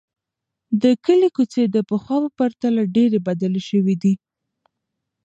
د کلي کوڅې د پخوا په پرتله ډېرې بدلې شوې دي.